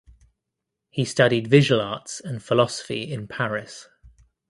He studied visual arts and philosophy in Paris.